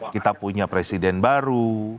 kita punya presiden baru